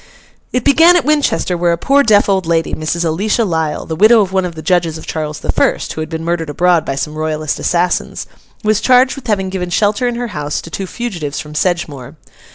It began at Winchester, where a poor deaf old lady, Mrs. Alicia Lisle, the widow of one of the judges of Charles the First (who had been murdered abroad by some Royalist assassins), was charged with having given shelter in her house to two fugitives from Sedgemoor.